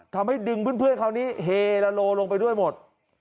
ทำให้ดึงเพื่อนคราวนี้เฮลาโลลงไปด้วยหมด